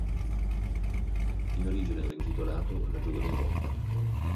In origine era intitolato "La giovane Europa".